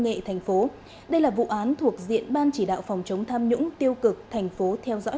nghệ thành phố đây là vụ án thuộc diện ban chỉ đạo phòng chống tham nhũng tiêu cực thành phố theo dõi